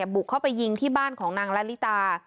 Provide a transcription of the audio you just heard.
บุกเข้าไปยิงที่บ้านของนางละลิตา